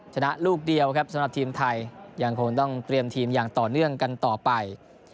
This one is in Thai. ลูกเดียวครับสำหรับทีมไทยยังคงต้องเตรียมทีมอย่างต่อเนื่องกันต่อไป